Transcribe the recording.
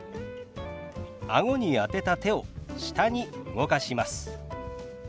あごに当てた手を下に動かします。